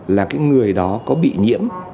là cái người đó có bị nhiễm